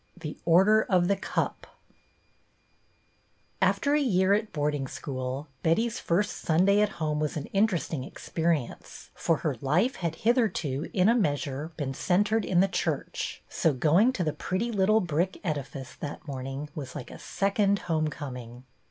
XV THE ORDER OF THE CUP A fter a year at boarding school, Betty's first Sunday at home was an interesting experience, for her life had hitherto, in a measure, been centred in the church ; so going to the pretty little brick edifice that morning was like a second home coming.